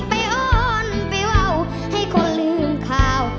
อ้อนไปว่าวให้คนลืมข่าว